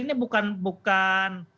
ini bukan bukan